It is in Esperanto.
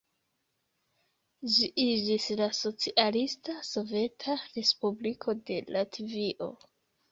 Ĝi iĝis la Socialista Soveta Respubliko de Latvio.